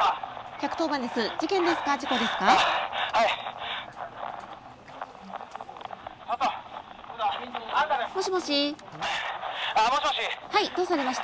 １１０警察です。